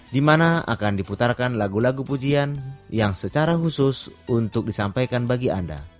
di mana akan diputarkan lagu lagu pujian yang secara khusus untuk disampaikan bagi anda